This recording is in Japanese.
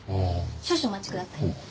少々お待ちください。